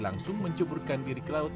langsung menceburkan diri ke laut